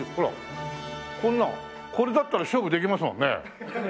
これだったら勝負できますもんね。